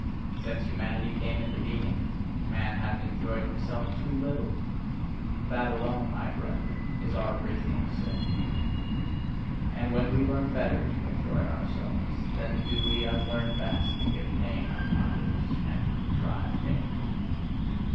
Since humanity came into being, man hath enjoyed himself too little: that alone, my brethren, is our original sin! And when we learn better to enjoy ourselves, then do we unlearn best to give pain unto others, and to contrive pain.